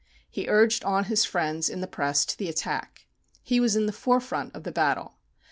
He urged on his friends in the press to the attack. He was in the forefront of the battle.